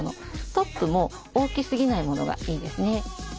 トップも大きすぎないものがいいですね。